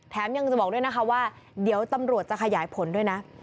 ยังจะบอกด้วยนะคะว่าเดี๋ยวตำรวจจะขยายผลด้วยนะ